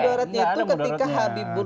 mudorotnya itu ketika habib bur